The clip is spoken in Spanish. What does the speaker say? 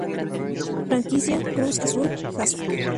Franquicia Cruz Azul Jasso